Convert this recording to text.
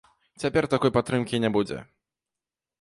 Цяпер такой падтрымкі не будзе.